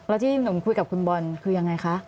แล้วที่หนุ่มคุยกับคุณบอลคือยังไงคะ